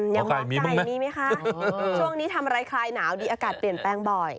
ยังรับใจอย่างนี้ไหมคะช่วงนี้ทำอะไรคลายหนาวดีอากาศเปลี่ยนแปลงบ่อย